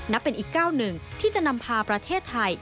นับเป็นอีกก้าวหนึ่งที่จะนำพาประเทศไทย